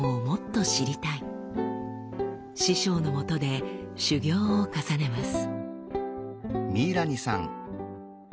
師匠のもとで修業を重ねます。